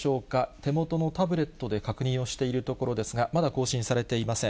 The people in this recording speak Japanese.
手元のタブレットで確認をしているところですが、まだ更新されていません。